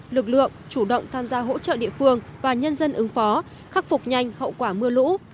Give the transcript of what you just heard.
lực lượng chủ động tham gia hỗ trợ địa phương và nhân dân ứng phó khắc phục nhanh hậu quả mưa lũ